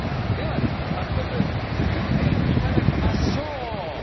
早速、作っていただきましょう。